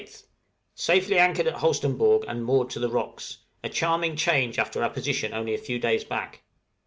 _ Safely anchored at Holsteinborg, and moored to the rocks; a charming change, after our position only a few days back.